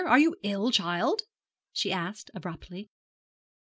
Are you ill, child?' she asked, abruptly.